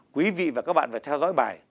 quý vị và các bạn phải theo dõi bài